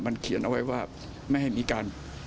มันเขียนเอาไว้ว่าไม่ให้มีการ